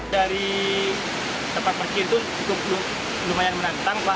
dari tempat pergi itu cukup lumayan menantang pak